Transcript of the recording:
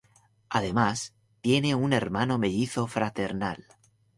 Además tiene un hermano mellizo fraternal.